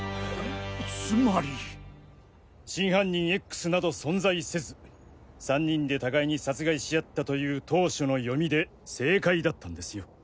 つまり。真犯人Ｘなど存在せず３人で互いに殺害し合ったという当初の読みで正解だったんですよ。